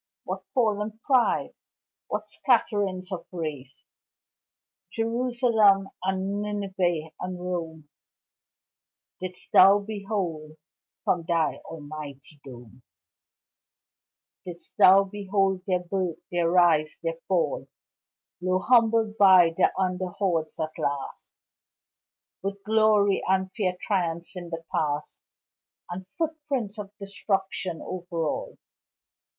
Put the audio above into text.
What fallen pride! What scatterings of race! Jerusalem and Nineveh and Rome Didst thou behold from thy almighty dome Didst thou behold their birth, their rise, their fall Low humbled by the under hordes at last, With glory and fair triumphs in the past, And footprints of destruction over all.